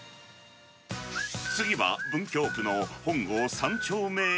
次は文京区の本郷三丁目駅。